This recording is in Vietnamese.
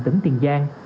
tỉnh tiền giang